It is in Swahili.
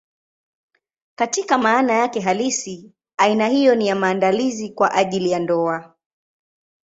Katika maana yake halisi, aina hiyo ni ya maandalizi kwa ajili ya ndoa.